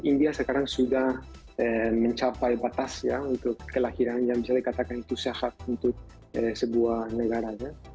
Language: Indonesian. india sekarang sudah mencapai batas ya untuk kelahiran yang bisa dikatakan itu sehat untuk sebuah negaranya